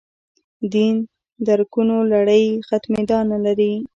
دین درکونو لړۍ ختمېدا نه لري.